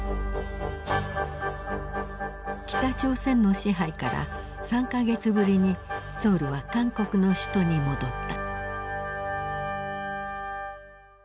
北朝鮮の支配から３か月ぶりにソウルは韓国の首都に戻った。